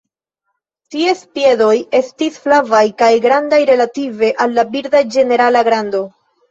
Ties piedoj estis flavaj kaj grandaj relative al la birda ĝenerala grando.